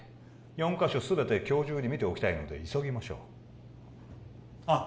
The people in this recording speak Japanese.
４カ所全て今日中に見ておきたいので急ぎましょうあっ